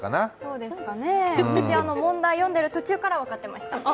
そうですかね、私問題を読んでる途中から分かってました。